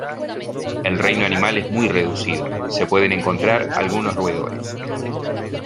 El reino animal es muy reducido, se pueden encontrar algunos roedores.